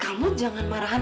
kamu jangan marahin boy ya